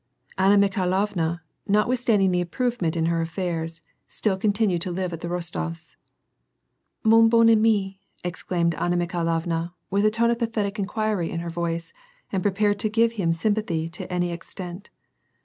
Anna Mikhailovna, notwithstanding the improvement in her affairs, still continued to live at the Rostofs. " Mon bon ami" exclaimed Anna Mikhailovna, with a tone of pathetic inquiry in her voice, and prepared to give him sympathy to any extent.